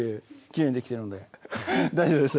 きれいにできてるんで大丈夫です